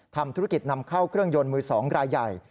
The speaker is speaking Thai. ทำธุรกิจนำเข้าเครื่องยนต์มือ๒รายใหญ่